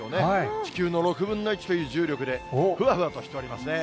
地球の６分の１という重力で、ふわふわとしておりますね。